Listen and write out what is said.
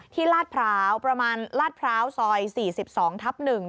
ลาดพร้าวประมาณลาดพร้าวซอย๔๒ทับ๑